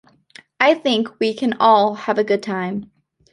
I think we can all have a good time.